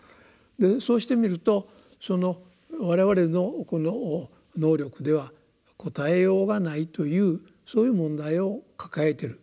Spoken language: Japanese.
そうして見ると我々のこの能力では答えようがないというそういう問題を抱えている。